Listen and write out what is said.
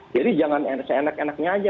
jadi jangan seenak enaknya aja